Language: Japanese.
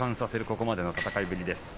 ここまでの戦いぶり。